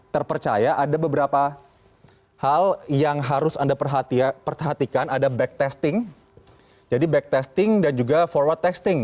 terima kasih sudah bergabung bersama kami di cnn indonesia today